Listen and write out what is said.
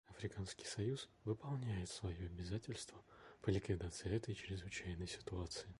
Африканский союз выполняет свое обязательство по ликвидации этой чрезвычайной ситуации.